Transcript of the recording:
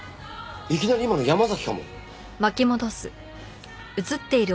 いきなり今の山崎かも。